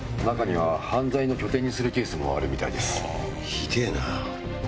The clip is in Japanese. ひでぇな。